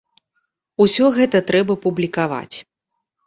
Усё гэта трэба публікаваць.